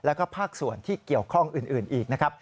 แล้วก็ภาคส่วนที่เกี่ยวข้องอื่นอีกนะครับ